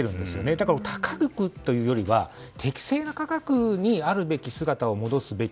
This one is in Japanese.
だから高値ということよりは適正な価格にあるべき姿を戻すべき。